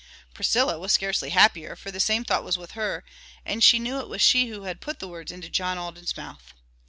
Priscilla was scarcely happier, for the same thought was with her, and she knew it was she who had put the words into John Alden's mouth.